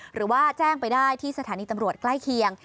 หรือว่าแจ้งไปได้ที่สถานีตำรวจใกล้เคียง